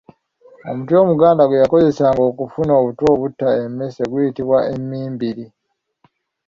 Omuti omuganda gwe yakozesanga okufuna obutwa obutta emmese guyitibwa Emmimbiri.